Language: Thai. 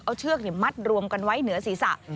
เอาเชือกมัดรวมกันไว้เหนือศีรษะ